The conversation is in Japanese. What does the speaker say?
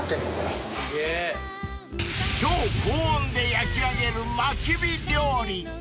［超高温で焼き上げるまき火料理］